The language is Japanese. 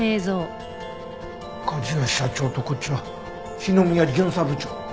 梶谷社長とこっちは篠宮巡査部長？